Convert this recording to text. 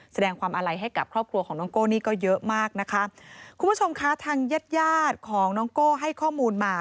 แสดงความอาลัยให้กับครอบครัวของน้องโก้นี่ก็เยอะมากนะคะคุณผู้ชมคะทางญาติญาติของน้องโก้ให้ข้อมูลมา